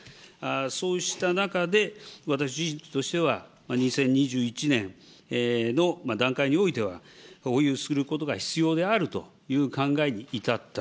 そうした中で、私としては、２０２１年の段階においては、する必要があるという考えに至った。